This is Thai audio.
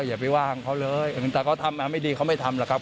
อย่าไปว่าของเขาเลยแต่เขาทำมาไม่ดีเขาไม่ทำหรอกครับ